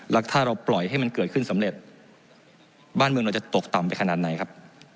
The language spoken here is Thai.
แล้วถ้าเราปล่อยให้มันเกิดขึ้นสำเร็จบ้านเมืองเราจะตกต่ำไปขนาดไหนครับ